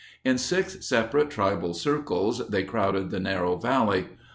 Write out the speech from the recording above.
In six separate tribal circles they crowded the narrow valley.